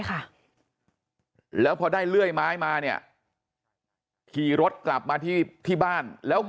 ค่ะแล้วพอได้เลื่อยไม้มาเนี่ยขี่รถกลับมาที่ที่บ้านแล้ว